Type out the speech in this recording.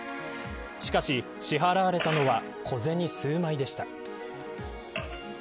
しかし、支払われたのは小銭数枚でした。